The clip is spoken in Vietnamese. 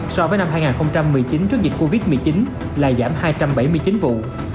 so với năm hai nghìn một mươi chín trước dịch covid một mươi chín là giảm hai trăm bảy mươi chín vụ